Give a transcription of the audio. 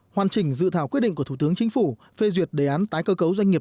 hoàn chỉnh dự thảo quyết định của thủ tướng chính phủ phê duyệt đề án tái cơ cấu doanh nghiệp